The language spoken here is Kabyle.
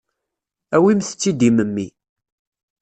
Awimt-tt-id i memmi.